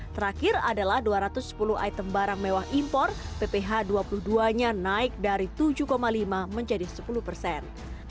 terakhir adalah dua ratus sepuluh item barang mewah impor pph dua puluh dua nya naik dari tujuh lima menjadi sepuluh persen